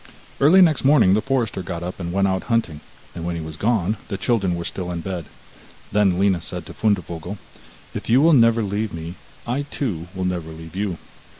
Early next morning the forester got up and went out hunting, and when he was gone the children were still in bed. Then Lina said to Fundevogel: 'If you will never leave me, I too will never leave you.